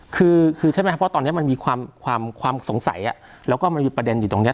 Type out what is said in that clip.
คือใช่ไหมครับเพราะตอนนี้มันมีความความสงสัยแล้วก็มันมีประเด็นอยู่ตรงนี้